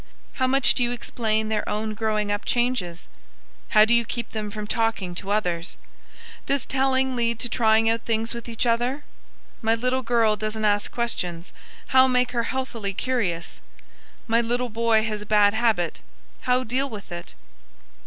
How much do you explain their own growing up changes? How do you keep them from talking to others? Does telling lead to trying out things with each other? My little girl doesn't ask questions how make her healthily curious? My little boy has a bad habit how deal with it?